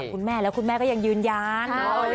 คุณแม่แล้วคุณแม่ก็ยังยืนยัน